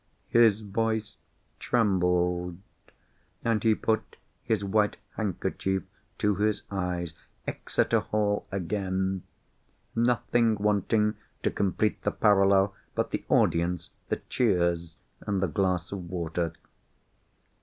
His voice trembled, and he put his white handkerchief to his eyes. Exeter Hall again! Nothing wanting to complete the parallel but the audience, the cheers, and the glass of water.